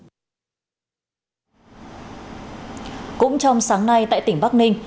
cũng trong sáng nay tại tỉnh bắc ninh